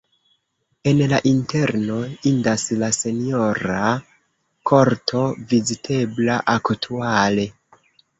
En la interno indas la senjora korto, vizitebla aktuale.